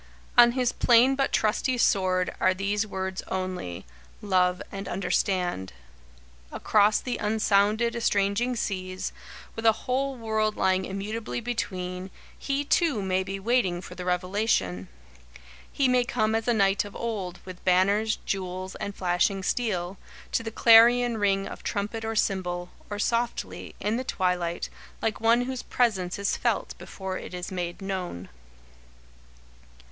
"On his plain but trusty sword are these words only Love and Understand." Across the unsounded, estranging seas, with a whole world lying immutably between, he, too, may be waiting for the revelation. He may come as a knight of old, with banners, jewels, and flashing steel, to the clarion ring of trumpet or cymbal, or softly, in the twilight, like one whose presence is felt before it is made known.